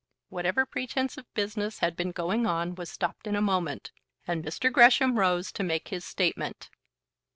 Whatever pretence of business had been going on was stopped in a moment, and Mr. Gresham rose to make his statement.